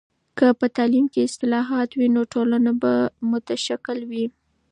که په تعلیم کې اصلاحات وي، نو ټولنه به متشکل وي.